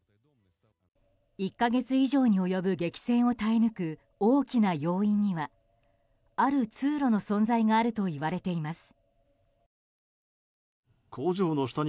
１か月以上に及ぶ激戦を耐え抜く大きな要因にはある通路の存在があるといわれています。